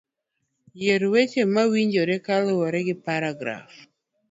Yier weche mowinjore kaluwore gi paragraf